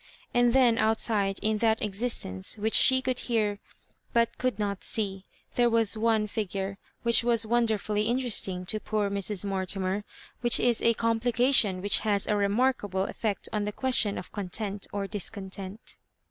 And then outside, in that existence which she could hear but could not see, there was one figure which was wonderfully interesting to poor Mrs. Mortimer ; which is a complication which has a remarkable effect on the question of content or discontent.